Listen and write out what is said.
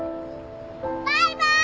バイバイ！